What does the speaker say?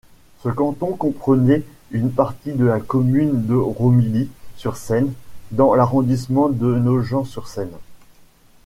Ce canton comprenait une partie de la commune de Romilly-sur-Seine dans l'arrondissement de Nogent-sur-Seine.